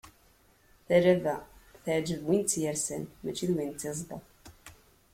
Talaba, teɛǧeb win i tt-yersan mačči d win i tt-yeẓḍan.